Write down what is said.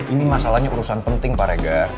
ini masalahnya urusan penting pak regar